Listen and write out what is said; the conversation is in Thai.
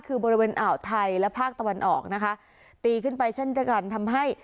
คือบริเวณอ่าวไทยและภาคตะวันออกนะคะตีขึ้นไปเช่นเดียวกันทำให้